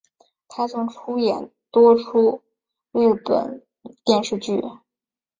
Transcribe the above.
她曾演出多出日本电视剧。